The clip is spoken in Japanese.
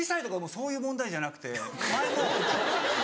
そういう問題じゃなかった。